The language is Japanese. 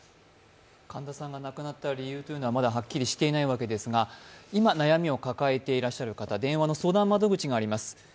神田さんが亡くなった理由というのはまだはっきりしていないわけですが、今、悩みを抱えていらっしゃる方、電話の相談窓口があります。